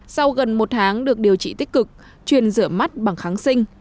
sau gần một tháng được điều trị tích cực truyền rửa mắt bằng kháng sinh